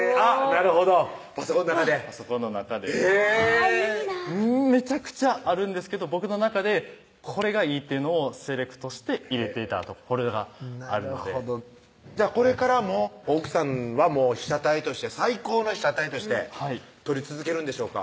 なるほどパソコンの中でパソコンの中でへぇめちゃくちゃあるんですけど僕の中でこれがいいっていうのをセレクトして入れてたフォルダがあるのでじゃあこれからも奥さんは被写体として最高の被写体として撮り続けるんでしょうか？